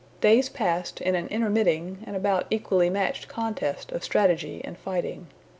Days passed in an intermitting, and about equally matched contest of strategy and fighting.